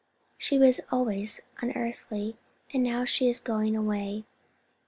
She was always unearthly, and now she is going away.